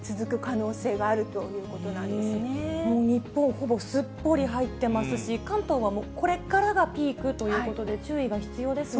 ほぼすっぽり入ってますし、関東はこれからがピークということで、注意が必要ですね。